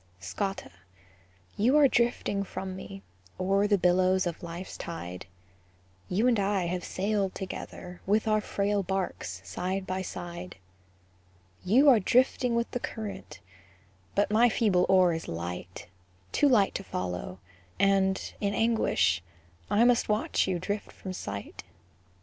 Scotta, you are drifting from me, O'er the billows of life's tide; You and I have sailed together, With our frail barks side by side. You are drifting with the current, But my feeble oar is light, Too light to follow; and, in anguish, I must watch you drift from sight.